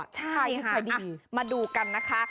ใช่ค่ะมาดูกันนะคะ